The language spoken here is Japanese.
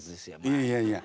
いやいやいや。